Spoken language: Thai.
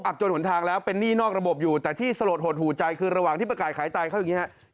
จนหนทางแล้วเป็นหนี้นอกระบบอยู่แต่ที่สลดหดหูใจคือระหว่างที่ประกาศขายไตเขาอย่างนี้ครับ